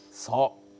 そう。